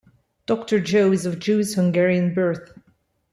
Doctor Joe is of Jewish-Hungarian birth.